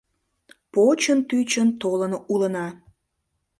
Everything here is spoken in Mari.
Почын-тӱчын толын улына.